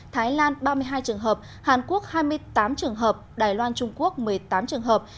thái lan ba mươi hai trường hợp hàn quốc hai mươi tám trường hợp đài loan trung quốc một mươi tám trường hợp